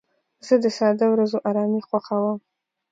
زه د ساده ورځو ارامي خوښوم.